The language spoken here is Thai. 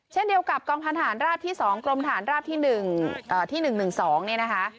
เช่นเดียวกับกองพันธานราบที่๒กรมฐานราบที่๑๑๒เนี่ยนะคะ